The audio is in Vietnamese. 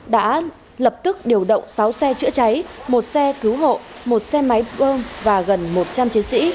đã lập tức điều động sáu xe chữa cháy một xe cứu hộ một xe máy bơm và gần một trăm linh chiến sĩ